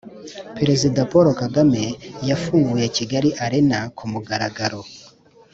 Perezida paul kagame yafunguye kigali arena kumugaragaro